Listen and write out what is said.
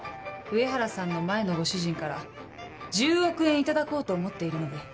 上原さんの前のご主人から１０億円頂こうと思っているので。